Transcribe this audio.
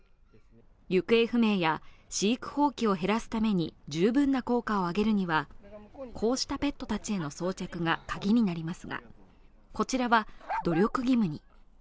行方不明や飼育放棄を減らすために十分な効果を上げるにはこうしたペットたちへの装着がカギになりますが、こちらは努力義務に。